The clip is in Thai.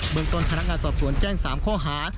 เมืองต้นพนักงานสอบสวนแจ้ง๓ข้อหา